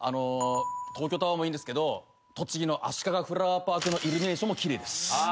東京タワーもいいんですけど栃木のあしかがフラワーパークのイルミネーションも奇麗です。